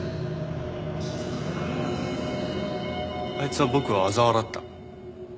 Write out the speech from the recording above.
あいつは僕をあざ笑った。